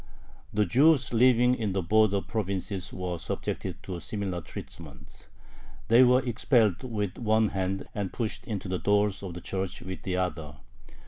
The Jews living in the border provinces were subjected to similar treatment: they were expelled with one hand and pushed into the doors of the church with the other.